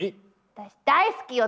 私大好きよ！